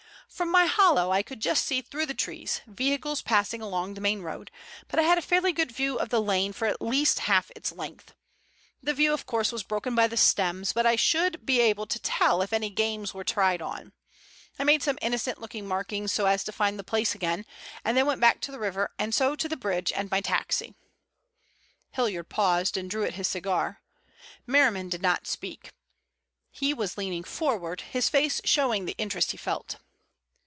From my hollow I could just see through the trees vehicles passing along the main road, but I had a fairly good view of the lane for at least half its length. The view, of course, was broken by the stems, but still I should be able to tell if any games were tried on. I made some innocent looking markings so as to find the place again, and then went back to the river and so to the bridge and my taxi." Hilliard paused and drew at his cigar. Merriman did not speak. He was leaning forward, his face showing the interest he felt.